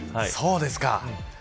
そうですか。